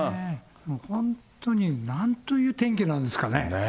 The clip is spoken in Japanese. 本当になんていう天気なんですかね。